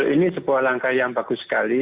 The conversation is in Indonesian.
ini sebuah langkah yang bagus sekali